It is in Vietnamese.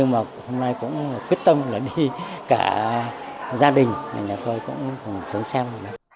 mà hôm nay cũng quyết tâm là đi cả gia đình nhà nhà thôi cũng sớm xem